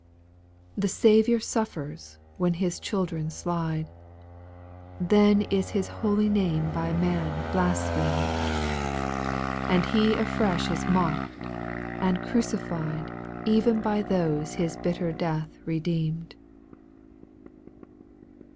The Saviour suffers when His children slide ; Then is His holy name by men blasphem'd. And He afresh is mocked, and crucified Even by those His bitter death redeemed.